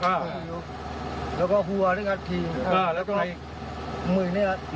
แล้วก็หัวนะครับทีนี้แล้วก็มือนะครับ